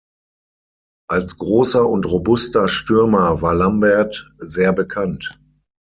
Als großer und robuster Stürmer war Lambert sehr bekannt.